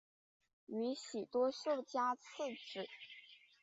宇喜多秀家次子。